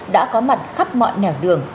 đã có mặt khắp mọi nẻo đường